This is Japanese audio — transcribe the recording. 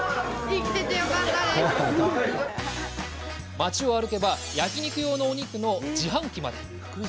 町を歩けば焼肉用のお肉の自販機まで。